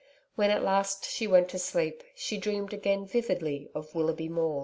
When at last she went to sleep she dreamed again vividly of Willoughby Maule.